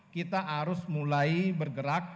kita harus mulai bergerak